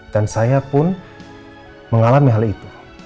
dan saya pun mengalami hal itu